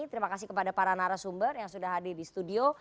terima kasih kepada para narasumber yang sudah hadir di studio